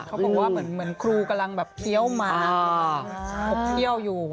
เขาบอกว่าเหมือนครูกำลังแบบเฟี้ยวหมาผมเที่ยวอยู่